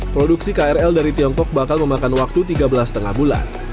produksi krl dari tiongkok bakal memakan waktu tiga belas lima bulan